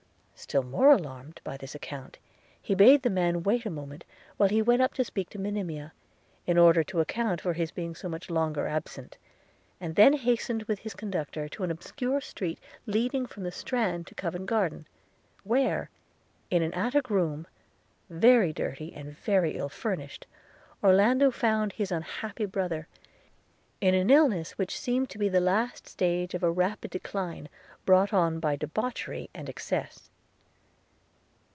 Still more alarmed by this account, he bade the man wait a moment, while he went up to speak to Monimia, in order to account for his being so much longer absent, and then hastened with his conductor to an obscure street leading from the Strand to Covent Garden; where, in an attic room, very dirty and very ill furnished, Orlando found his unhappy brother, in an illness which seemed to be the last stage of a rapid decline, brought on by debauchery and excess.